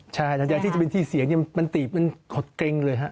ใช่อยากที่จะเป็นที่เสียงมันตีบมันหดเกรงเลยครับ